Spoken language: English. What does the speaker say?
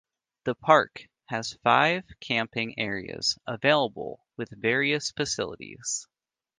The Park has five camping areas available with various facilities.